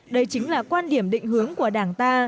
đây chính là quan điểm định hướng của đảng ta